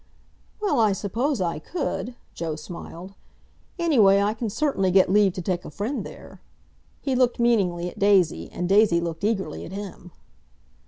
"Well, I suppose I could—" Joe smiled. "Anyway I can certainly get leave to take a friend there." He looked meaningly at Daisy, and Daisy looked eagerly at him.